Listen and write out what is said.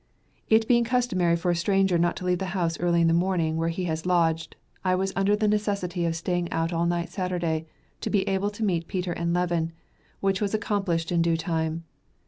It being customary for a stranger not to leave the house early in the morning where he has lodged, I was under the necessity of staying out all night Saturday, to be able to meet Peter and Levin, which was accomplished in due time.